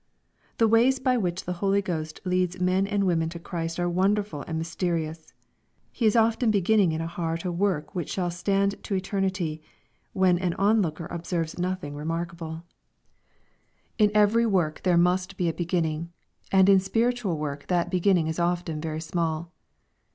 The ways by which the HolyGhost leads men and women to Christ are wonderful and mysterious. He is often beginning in a heart a work which shall stand to eternity, when a looker on observes nothing remarkable. 292 EXPOSITORY THOUGHTS. ^,vr>Ut' (^^ In every work there must be a beginning, and in spiritual work that beginning is often very small.